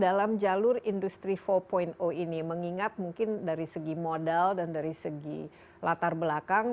dalam jalur industri empat ini mengingat mungkin dari segi modal dan dari segi latar belakang